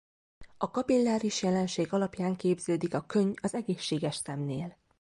A kapilláris jelenség alapján képződik a könny az egészséges szemnél.